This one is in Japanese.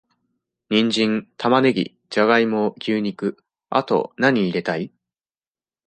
ニンジン、玉ネギ、ジャガイモ、牛肉……あと、なに入れたい？